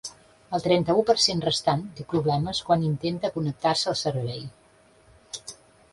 El trenta-u per cent restant té problemes quan intenta connectar-se al servei.